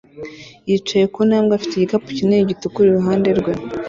yicaye ku ntambwe afite igikapu kinini gitukura iruhande rwe